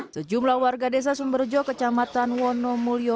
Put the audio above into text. sejumlah warga desa sumberjo kecamatan wonomulyo